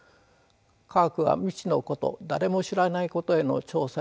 科学は未知のこと誰も知らないことへの挑戦です。